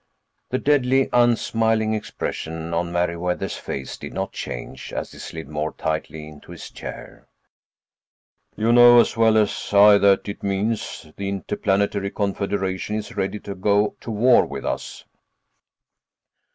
The deadly, unsmiling expression on Meriwether's face did not change as he slid more tightly into his chair. "You know as well as I that it means the Interplanetary Confederation is ready to go to war with us."